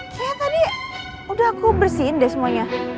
kayak tadi udah aku bersihin deh semuanya